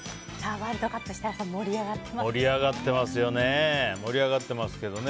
ワールドカップ設楽さん、盛り上がってますね。